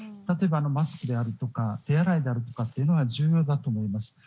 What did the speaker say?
例えばマスクであるとか手洗いというのは重要だと思います。